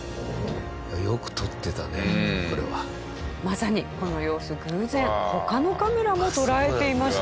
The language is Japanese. まさにこの様子偶然他のカメラも捉えていました。